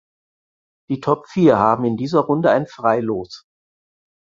Die Top vier haben in dieser Runde ein Freilos.